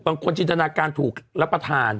จินตนาการถูกรับประทาน